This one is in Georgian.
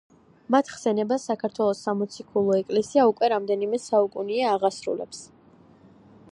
მათ ხსენებას საქართველოს სამოციქულო ეკლესია უკვე რამდენიმე საუკუნეა აღასრულებს.